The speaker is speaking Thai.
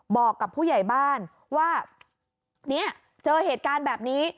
บอกกับผู้ใหญ่บ้านว่าเนี่ยเจอเหตุการณ์แบบนี้